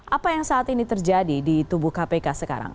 apa yang saat ini terjadi di tubuh kpk sekarang